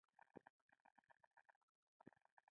په متحدو ایالتونو او اسټرالیا کې ورته اړتیا نه وه.